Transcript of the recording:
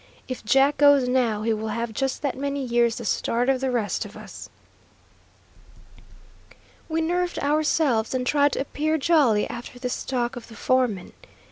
If Jack goes now, he will have just that many years the start of the rest of us." We nerved ourselves and tried to appear jolly after this talk of the foreman.